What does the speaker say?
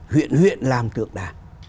huyện huyện làm tượng đài